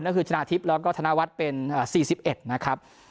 ก็คือชนะทิพย์แล้วก็ธนวัฒน์เป็น๔๑นะครับ